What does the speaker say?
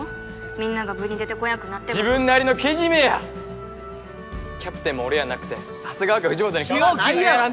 みんなが部に出てこやんくなっても自分なりのけじめやキャプテンも俺やなくて長谷川か藤本にそらないやろ！